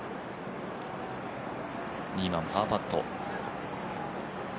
２番パーパット。